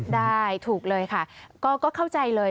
ได้ถูกเลยค่ะก็เข้าใจเลย